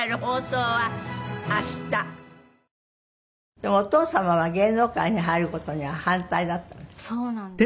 でもお父様は芸能界に入る事には反対だったんですって？